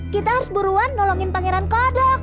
kita harus buruan nolongin pangeran kodok